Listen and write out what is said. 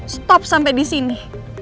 stop sampai disini